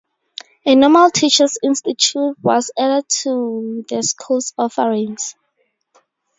A Normal Teachers' Institute was added to the school's offerings.